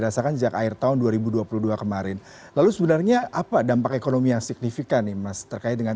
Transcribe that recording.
selamat pagi mas judah